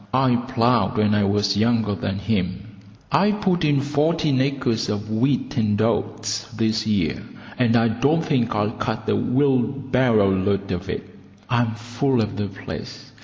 I ploughed when I was younger than him. I put in fourteen acres of wheat and oats this year, and I don't think I'll cut a wheelbarrow load of it. I'm full of the place.